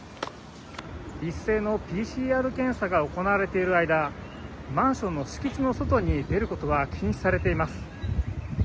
一斉のＰＣＲ検査が行われている間、マンションの敷地の外に出ることは禁止されています。